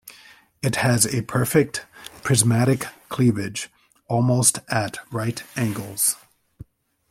It has a perfect, prismatic cleavage, almost at right angles.